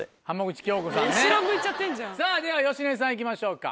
さぁでは芳根さんいきましょうか。